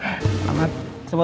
terima kasih pak